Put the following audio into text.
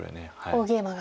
大ゲイマが。